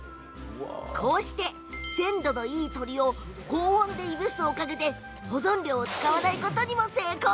こうして高温で鮮度のいい鶏をいぶすおかげで保存料を使わないことにも成功。